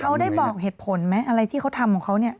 เขาได้บอกเหตุผลไหมอะไรที่เขาทำของเขาเนี่ย